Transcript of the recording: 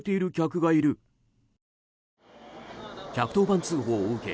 １１０番通報を受け